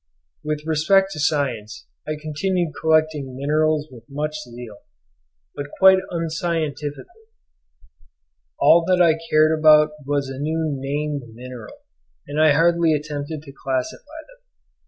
With respect to science, I continued collecting minerals with much zeal, but quite unscientifically—all that I cared about was a new named mineral, and I hardly attempted to classify them.